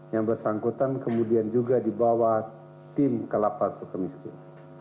yang bersangkutan kemudian juga dibawa tim kelapa suka miskin